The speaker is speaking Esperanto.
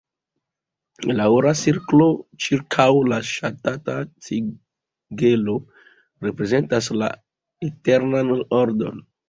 La ora cirklo ĉirkaŭ la ŝatata sigelo reprezentas la eternan ordon.